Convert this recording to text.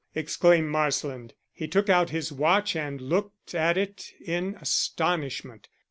exclaimed Marsland. He took out his watch and looked at it in astonishment.